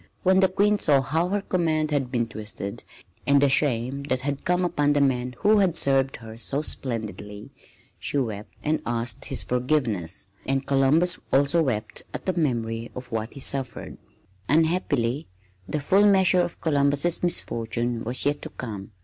When the Queen saw how her commands had been twisted and the shame that had come upon the man who had served her so splendidly, she wept and asked his forgiveness, and Columbus wept also at the memory of what he had suffered. Unhappily the full measure of Columbus' misfortune was yet to come.